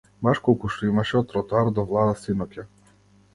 Баш колку што имаше од тротоар до влада синоќа.